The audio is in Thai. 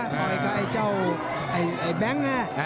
ต่อยกับไอ้เจ้าไอ้แบงค์ไง